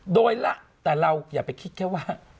โดยละแต่เราอย่าไปคิดแค่ว่า